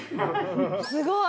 すごい。